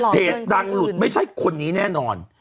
ดังหลุดไม่ใช่คนนี้แน่นอน